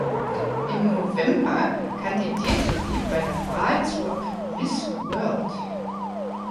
Im November kandidierte sie bei der Wahl zur Miss World.